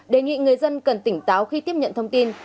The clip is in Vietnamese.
đề nghị người dân cần tỉnh táo khi tiếp nhận thông tin